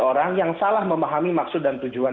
orang yang salah memahami maksud dan tujuan